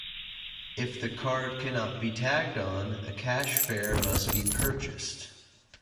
If the card cannot be tagged on, a cash fare must be purchased.